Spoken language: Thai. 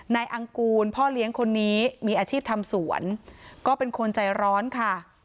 อังกูลพ่อเลี้ยงคนนี้มีอาชีพทำสวนก็เป็นคนใจร้อนค่ะ